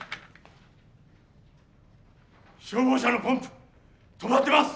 消防車のポンプ止まってます！